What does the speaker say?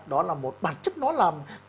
đó là một bản chất nó làm